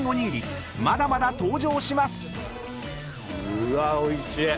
うわっおいしい！